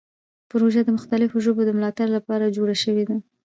پروژه د مختلفو ژبو د ملاتړ لپاره جوړه شوې ده.